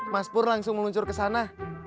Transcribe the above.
mas pur langsung meluncur kesana